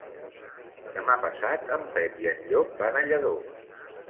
Demà passat en Pep i en Llop van a Lladó.